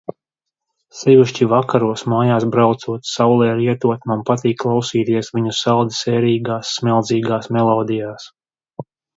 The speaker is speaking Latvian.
Sevišķi vakaros mājās braucot, saulei rietot man patīk klausīties viņu saldi sērīgās, smeldzīgās melodijās.